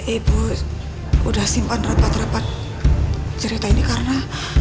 ibu udah simpan repat repat cerita ini karena